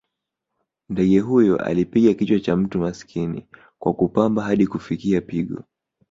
Ndege huyo alipiga kichwa cha mtu masikini kwa kupamba hadi kufikia pigo